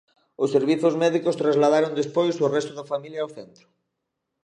Os servizos médicos trasladaron despois o resto da familia ao centro.